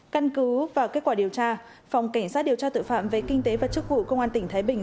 căn cứ vào kết quả điều tra phòng cảnh sát điều tra tội phạm về kinh tế và chức vụ công an tỉnh thái bình